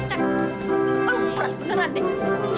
aduh perut beneran deh